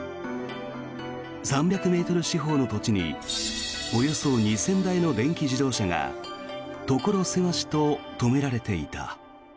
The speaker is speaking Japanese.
３００ｍ四方の土地におよそ２０００台の電気自動車が所狭しと止められていた。